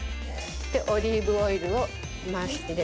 オリーブオイルを回し入れます。